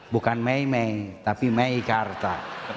bukan mei mei tapi mei karta